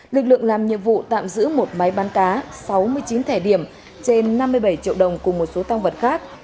lực lượng làm nhiệm vụ tạm giữ một máy bán cá sáu mươi chín thẻ điểm trên năm mươi bảy triệu đồng cùng một số tăng vật khác